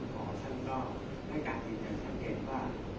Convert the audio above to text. คุณหอฉันก็ไม่กลัวจริงฉันเห็นว่า